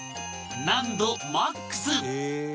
難度マックス